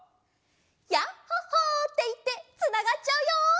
「ヤッホ・ホー」っていってつながっちゃうよ！